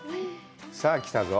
さあ来たぞ